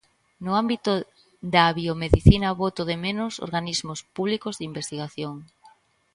No ámbito da Biomedicina boto de menos Organismos Públicos de Investigación.